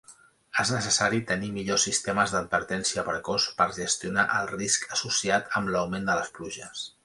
És necessari tenir millors sistemes d'advertència precoç per gestionar el risc associat amb l'augment de les pluges.